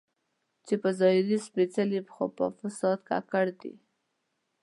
چې په ظاهره سپېڅلي خو په فساد کې ککړ دي.